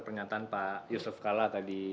pernyataan pak yusuf kalla tadi